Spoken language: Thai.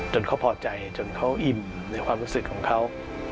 จนเขาพอใจจนเขาอิ่มในความรู้สึกของเขา